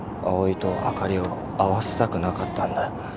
葵とあかりを会わせたくなかったんだ。